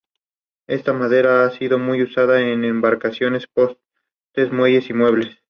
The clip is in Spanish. El crecimiento de cada persona es muy distinto